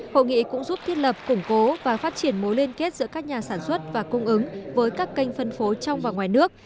hội nghị cũng giúp thiết lập củng cố và phát triển mối liên kết giữa các nhà sản xuất và cung ứng với các kênh phân phố trong và ngoài nước